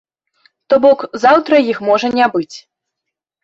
То бок заўтра іх можа не быць.